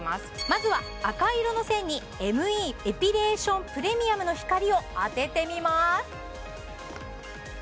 まずは赤色の線にＭＥエピレーションプレミアムの光を当ててみます